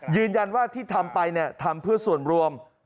ยืนยันว่าที่ทำไปทำเพื่อส่วนรวม